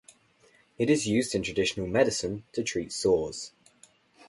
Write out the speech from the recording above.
It is used in traditional medicine to treat sores.